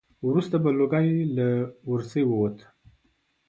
وروسته به لوګی له ورسی ووت.